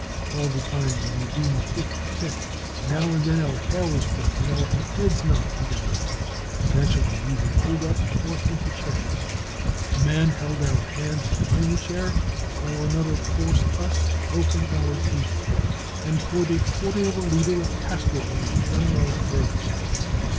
All the time we were being hit and kicked, and now and then our hair was pulled and our heads knocked together. " Eventually we were pulled up and forced into chairs ; a man held our hands behind the chair, while another forced us to open our teeth and poured a quarter of a litre of castor oil down our throats.